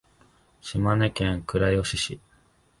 鳥取県倉吉市